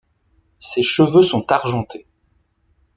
Ses cheveux sont argentés.